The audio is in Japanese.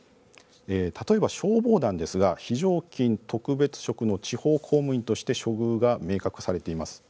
例えば、消防団ですが非常勤特別職の地方公務員として処遇が明確化されています。